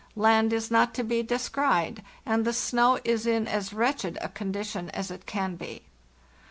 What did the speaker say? Land is not to be descried, and the snow is in as wretched a conditien as it can be.